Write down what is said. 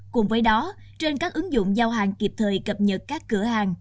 cùng với đó trên các ứng dụng giao hàng kịp thời cập nhật các cửa hàng